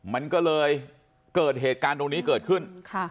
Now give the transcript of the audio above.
มันก็เลยเกิดเหตุการณ์ตรงนี้เกิดขึ้น